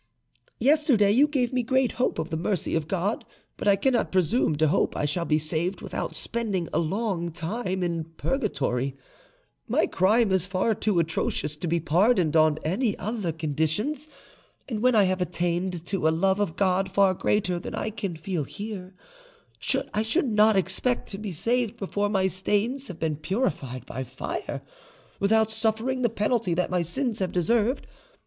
Yesterday you gave me great hope of the mercy of God; but I cannot presume to hope I shall be saved without spending a long time in purgatory; my crime is far too atrocious to be pardoned on any other conditions; and when I have attained to a love of God far greater than I can feel here, I should not expect to be saved before my stains have been purified by fire, without suffering the penalty that my sins have deserved.